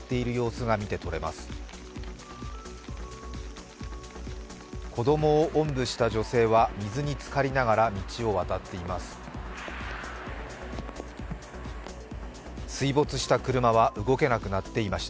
子供をおんぶした女性は水につかりながら道を渡っています。